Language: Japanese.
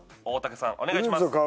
大竹さんお願いします